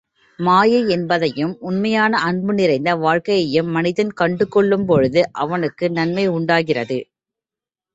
மாயை என்பதையும், உண்மையான அன்பு நிறைந்த வாழ்க்கையையும் மனிதன் கண்டு கொள்ளும் பொழுது, அவனுக்கு நன்மை உண்டாகிறது.